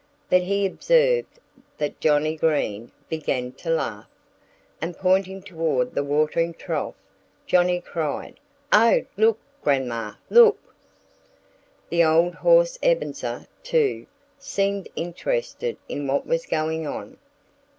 But he observed that Johnnie Green began to laugh. And pointing toward the watering trough Johnnie cried, "Oh! look, Grandma look!" The old horse Ebenezer, too, seemed interested in what was going on.